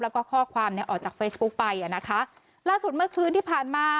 แล้วก็ข้อความออกจากเฟซบุ๊กไปล่าสุดเมื่อคืนที่ผ่านมา